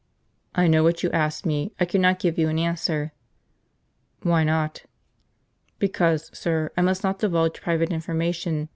." "I know what you asked me. I cannot give you an answer." "Why not?" "Because, sir, I must not divulge private information.